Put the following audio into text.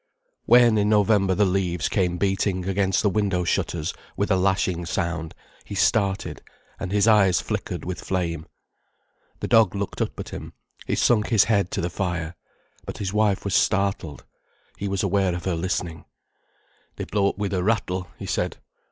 When, in November, the leaves came beating against the window shutters, with a lashing sound, he started, and his eyes flickered with flame. The dog looked up at him, he sunk his head to the fire. But his wife was startled. He was aware of her listening. "They blow up with a rattle," he said.